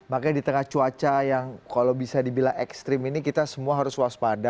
makanya di tengah cuaca yang kalau bisa dibilang ekstrim ini kita semua harus waspada